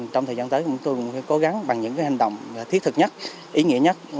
trong thời gian tới tôi cũng sẽ cố gắng bằng những hành động thiết thực nhất ý nghĩa nhất